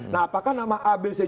nah apakah nama abc z ini bisa dikira